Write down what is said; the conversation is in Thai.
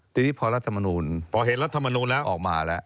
ทีนี้พอเหตุรัฐมนูลออกมาแล้ว